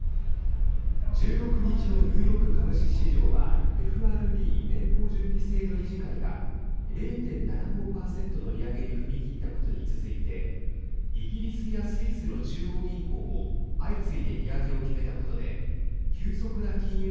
１６日のニューヨーク株式市場はＦＲＢ＝連邦準備制度理事会が０．７５％の利上げに踏み切ったことに続いてイギリスやスイスの中央銀行も相次いで、利上げを決めたことで急速な金融